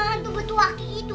hantu batu ake itu